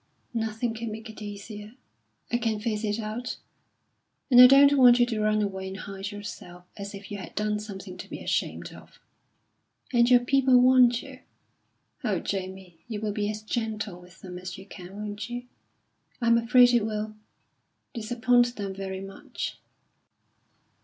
"Nothing can make it easier. I can face it out. And I don't want you to run away and hide yourself as if you had done something to be ashamed of. And your people want you. Oh, Jamie, you will be as gentle with them as you can, won't you? I'm afraid it will disappoint them very much."